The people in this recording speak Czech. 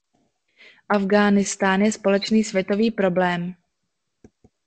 Afghánistán je společný světový problém.